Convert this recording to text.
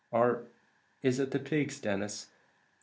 Or is it the pigs, Denis?